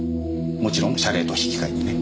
もちろん謝礼と引き換えにね。